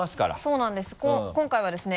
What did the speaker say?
そうなんです今回はですね